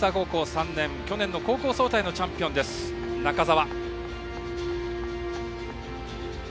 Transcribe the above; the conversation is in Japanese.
３年去年の高校総体のチャンピオン中澤。